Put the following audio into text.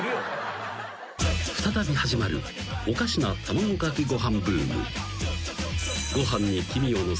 ［再び始まるおかしな卵かけご飯ブーム］